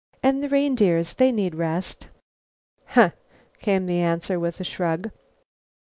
"And the reindeers, they need rest." "Huh," came the answer, with a shrug.